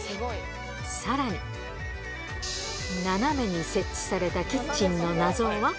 さらに、斜めに設置されたキッチンの謎は？